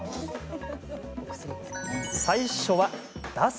最初は、出す。